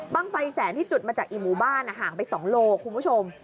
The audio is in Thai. ไฟแสนที่จุดมาจากอีหมู่บ้านห่างไป๒โลคุณผู้ชม